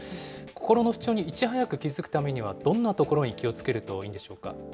心の不調にいち早く気付くためには、どんなところに気をつけるといいんでしょうか。